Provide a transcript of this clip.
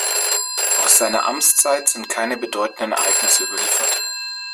Aus seiner Amtszeit sind keine bedeutenden Ereignisse überliefert.